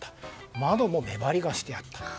窓も目張りがしてあった。